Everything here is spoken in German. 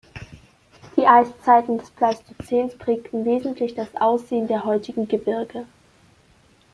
Die Eiszeiten des Pleistozäns prägten wesentlich das Aussehen der heutigen Gebirge.